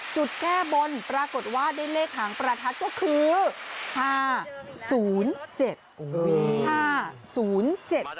จุดแก้บนปรากฏว่าได้เลขหางประทัดก็คือ๕๐๗โอ้โห